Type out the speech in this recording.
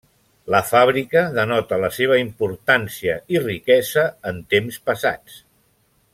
La fàbrica denota la seva importància i riquesa en temps passats.